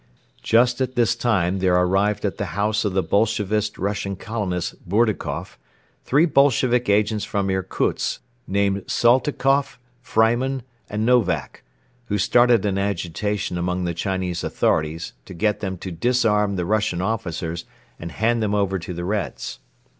Just at this time there arrived at the house of the Bolshevist Russian colonist Bourdukoff three Bolshevik agents from Irkutsk named Saltikoff, Freimann and Novak, who started an agitation among the Chinese authorities to get them to disarm the Russian officers and hand them over to the Reds.